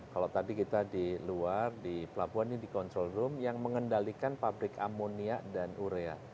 kalau tadi kita di luar di pelabuhan ini di control room yang mengendalikan pabrik amonia dan urea